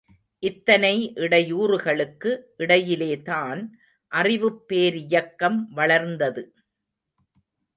இத்தனை இடையூறுகளுக்கு இடையிலேதான் அறிவுப் பேரியக்கம் வளர்ந்தது.